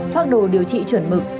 phát đồ điều trị chuẩn mực